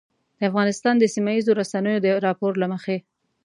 د افغانستان د سیمهییزو رسنیو د راپور له مخې